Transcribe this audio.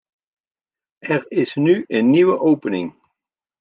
Er is nu een nieuwe opening.